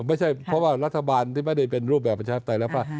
ไม่ใช่เพราะว่ารัฐบาลที่ไม่ได้เป็นรูปแบบประชาปไตยแล้วก็